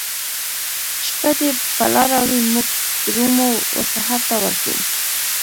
شپه دي په لاره وي موږ درومو وسحرته ورځو